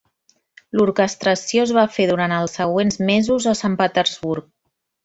L'orquestració es va fer durant els següents mesos a Sant Petersburg.